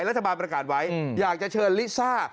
รัฐบาลประกาศไว้อยากจะเชิญลิซ่า